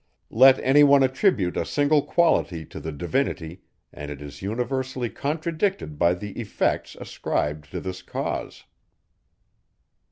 Let any one attribute a single quality to the Divinity, and it is universally contradicted by the effects, ascribed to this cause.